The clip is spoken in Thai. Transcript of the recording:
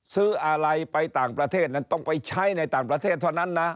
ซื้ออะไรไปต่างประเทศนั้นต้องไปใช้ในต่างประเทศเท่านั้นนะ